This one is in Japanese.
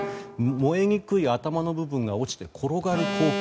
燃えにくい頭の部分が落ちて転がる光景